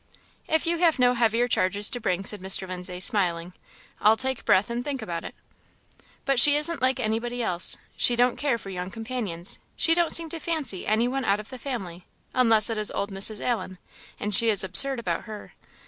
"If you have no heavier charges to bring," said Mr. Lindsay, smiling, "I'll take breath and think about it." "But she isn't like anybody else she don't care for young companions she don't seem to fancy any one out of the family unless it is old Mrs. Allen, and she is absurd about her.